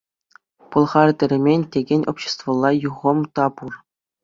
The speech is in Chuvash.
«Пӑлхартермен» текен обществӑлла юхӑм та пур.